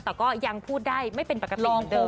แต่ยังพูดได้ไม่เป็นปกติอย่างเดิม